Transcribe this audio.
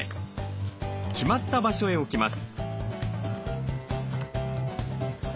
決まった場所へ置きます。